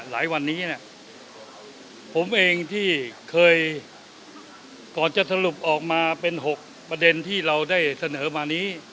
หลายวันนี้เนี่ยผมเองที่เคยก่อนจะสรุปออกมาเป็น๖ประเด็นที่เราได้เสนอมานี้